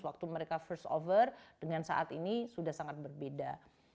waktu mereka first over dengan saat ini sudah sangat berbeda